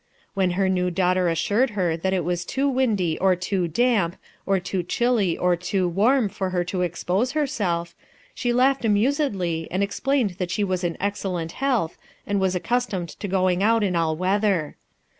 When her new daughter assured her that it was too windy or too damp or too chilly or too warm for her to expose herself, she laughed amusedly and explained that she was in excellent health and was accustomed to going out in all weather.